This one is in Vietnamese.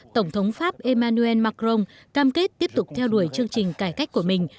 tổng thống pháp emmanuel macron cam kết tiếp tục theo đuổi chương trình cải cách của mình